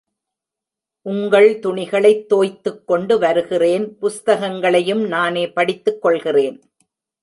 உங்கள் துணிகளைத் தோய்த்துக் கொண்டு வருகிறேன், புஸ்தகங்களையும் நானே படித்துக் கொள்கிறேன்.